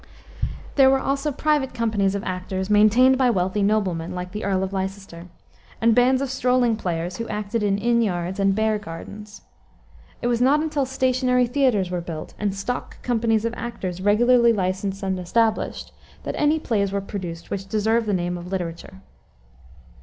There were also private companies of actors maintained by wealthy noblemen, like the Earl of Leicester, and bands of strolling players, who acted in inn yards and bear gardens. It was not until stationary theaters were built and stock companies of actors regularly licensed and established, that any plays were produced which deserve the name of literature.